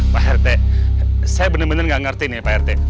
pak rt saya benar benar nggak ngerti nih pak rt